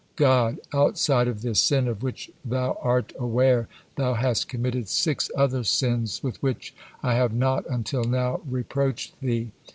God: "Outside of this sin of which thou are aware, thou hast committed six other sins with which I have not until now reproached thee.